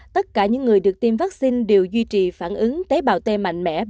tất cả những người được tiêm vaccine đều duy trì phản ứng tế bào t mạnh mẽ